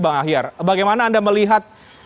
bang ahyar bagaimana anda melihat